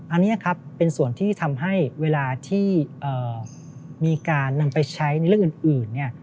อันนี้ครับเป็นส่วนที่ทำให้เวลาที่มีการนำไปใช้ในเรื่องอื่นเนี่ย